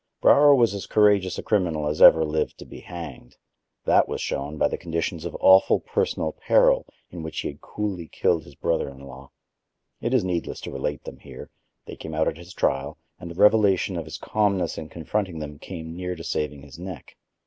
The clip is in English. Brower was as courageous a criminal as ever lived to be hanged; that was shown by the conditions of awful personal peril in which he had coolly killed his brother in law. It is needless to relate them here; they came out at his trial, and the revelation of his calmness in confronting them came near to saving his neck.